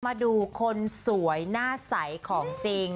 มาดูคนสวยหน้าใสของจริง